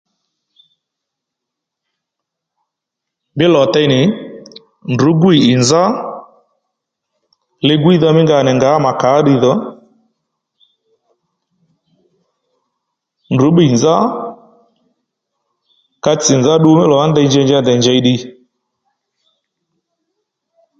Mí lò tey nì ndrǔ gwíy ì nzá ligwídha mí nga nì ngǎ mà kà ó ddiy dho ndrǔ bbîy nzá ka tsì nzá ddu mí lò na ndey njanja ndèy njèy ddiy